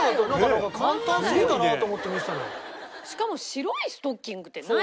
しかも白いストッキングってないよ。